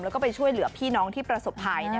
แล้วก็ไปช่วยเหลือพี่น้องที่ประสบภัย